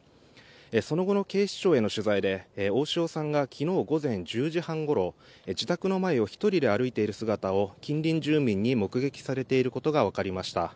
その後の警視庁への取材で大塩さんが昨日午前１０時半ごろ自宅の前を１人で歩いている姿を近隣住民に目撃されていることがわかりました。